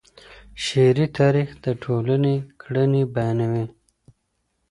شعري تاریخ د ټولني کړنې بیانوي.